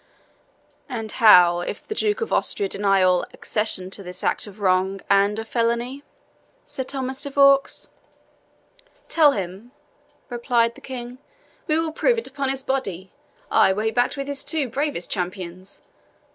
"And how if the Duke of Austria deny all accession to this act of wrong and of felony?" said Thomas de Vaux. "Tell him," replied the King, "we will prove it upon his body ay, were he backed with his two bravest champions.